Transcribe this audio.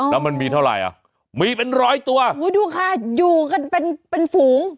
แล้วมันมีเท่าไหร่อ่ะมีเป็นร้อยตัวอุ้ยดูค่ะอยู่กันเป็นเป็นฝูง